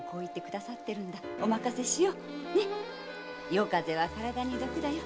夜風は体に毒だよ。